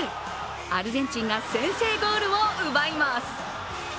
アルゼンチンが先制ゴールを奪います。